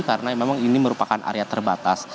karena memang ini merupakan area terbatas